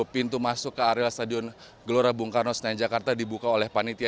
pintu masuk ke areal stadion gelora bung karno senayan jakarta dibuka oleh panitia